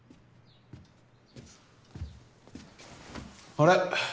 あれ？